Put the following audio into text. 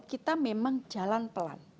kita memang jalan pelan